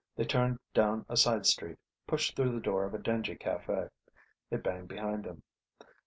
They turned down a side street, pushed through the door of a dingy cafe. It banged behind them.